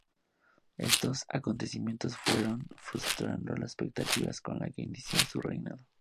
Estos acontecimientos frustraron las expectativas con las que inició su reinado.